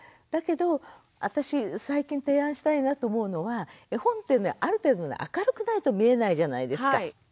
だけど私最近提案したいなと思うのは絵本ってある程度明るくないと見えないじゃないですか。